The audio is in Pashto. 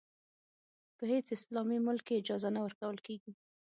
په هېڅ اسلامي ملک کې اجازه نه ورکول کېږي.